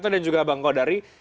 dan juga bang kodari